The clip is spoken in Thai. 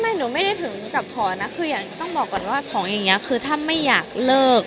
หนูไม่ได้ถึงกับขอนะคือต้องบอกก่อนว่าของอย่างนี้คือถ้าไม่อยากเลิก